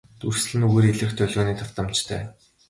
Дүрслэл нь үгээр илрэх долгионы давтамжтай.